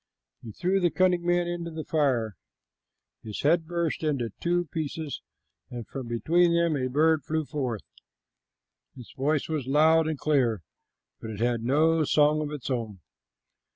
He threw the cunning man into the fire. His head burst into two pieces, and from between them a bird flew forth. Its voice was loud and clear, but it had no song of its own.